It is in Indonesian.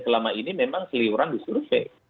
selama ini memang seliuran disurvey